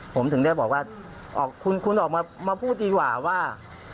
ผมถึงได้บอกว่าคุณออกมาพูดดีกว่าว่า